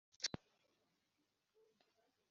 yasabye kenshi umuryango